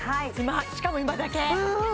しかも今だけうん！